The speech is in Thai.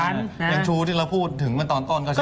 ยังทนะที่เราพูดถึงตอนก็ใช่